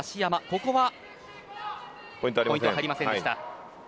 ここはポイントが入りませんでした。